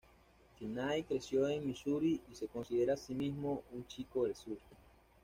Knight creció en Missouri y se considera a sí mismo un "Chico del Sur".